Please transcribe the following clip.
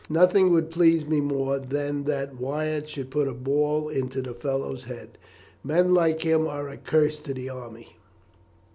Nothing would please me more than that Wyatt should put a ball into the fellow's head. Men like him are a curse to the army."